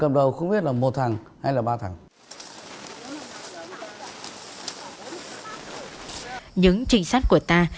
những trinh sát của ta